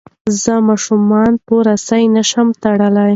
زه ماشومان په رسۍ نه شم تړلی.